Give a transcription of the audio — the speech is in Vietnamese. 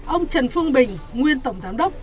ông trần phương bình nguyên tổng giám đốc